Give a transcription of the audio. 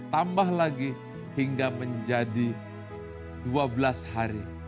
tambah lagi hingga menjadi dua belas hari